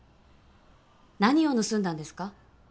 何を盗んだんですか？